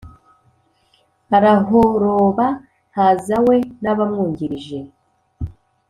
Arahoroba haza we n’abamwungirije